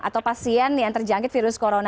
atau pasien yang tercipta corona